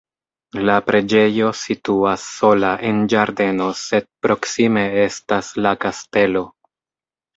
La preĝejo situas sola en ĝardeno, sed proksime estas la kastelo.